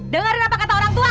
dengerin apa kata orang tua